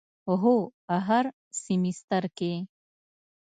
هو، هر سیمیستر کی